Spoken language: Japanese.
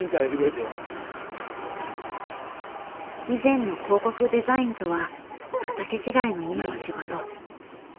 以前の広告デザインとは畑違いの今の仕事。